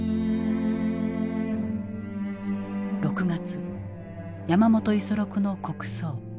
６月山本五十六の国葬。